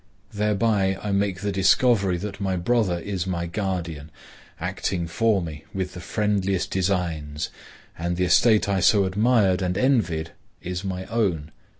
Thereby I make the discovery that my brother is my guardian, acting for me with the friendliest designs, and the estate I so admired and envied is my own.